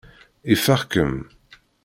Ifeɣ-kem.